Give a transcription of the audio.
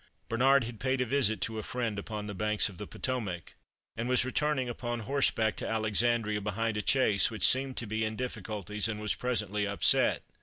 Bernard had paid a visit to a friend upon the banks of the Potomac, and was returning upon horseback to Alexandria behind a chaise which seemed to be in difficulties, and was presently upset.